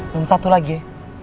yang satu lagi ya